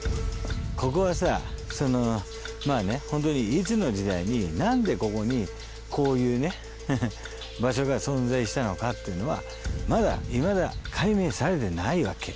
ここがさまぁねホントにいつの時代になんでここにこういうね場所が存在したのかっていうのはまだいまだ解明されてないわけ。